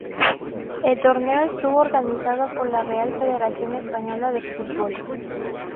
El torneo estuvo organizado por la Real Federación Española de Fútbol.